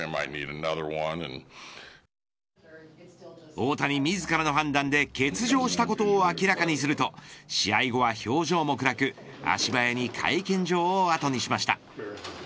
大谷自らの判断で欠場したことを明らかにすると試合後は表情も暗く足早に会見場をあとにしました。